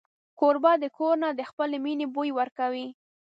کوربه د کور نه د خپلې مینې بوی ورکوي.